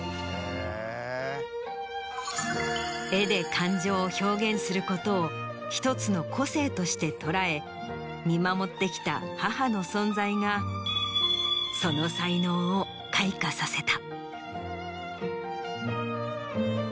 絵で感情を表現することを１つの個性として捉え見守ってきた母の存在がその才能を開花させた。